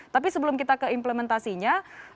tapi sebelum kita ke implementasinya